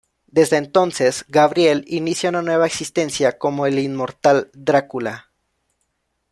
Desde entonces Gabriel inicia una nueva existencia como el inmortal Drácula.